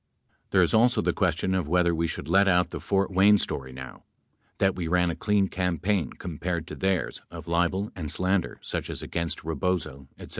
There's also the question of whether w T e should let out the Fort Wayne story now. 24 — that we ran a clean campaign com pared to theirs of libel and slander such as against Rebozo, etc.